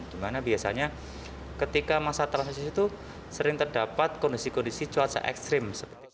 dimana biasanya ketika masa transisi itu sering terdapat kondisi kondisi cuaca ekstrim